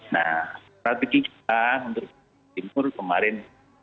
nah strategi kita untuk jawa timur kemarin